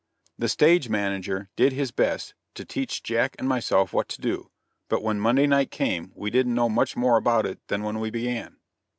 The stage manager did his best to teach Jack and myself what to do, but when Monday night came we didn't know much more about it than when we began.